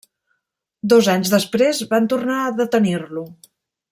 Dos anys després van tornar a detenir-lo.